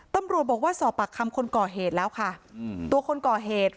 ตำรวจบอกว่าสอบปากคำคนก่อเหตุแล้วค่ะอืมตัวคนก่อเหตุ